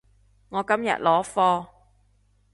我今日攞貨